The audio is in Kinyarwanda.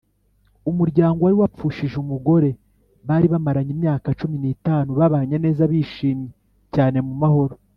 umuryango wari wapfushije umugore bari bamaranye imyaka cumi nitanu babanye neza bishimye cyane mu mahoro